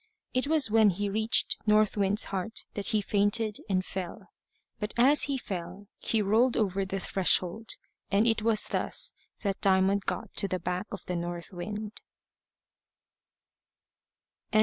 It was when he reached North Wind's heart that he fainted and fell. But as he fell, he rolled over the threshold, and it was thus that Diamond got to the back of the north wind.